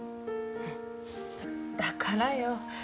だからよ。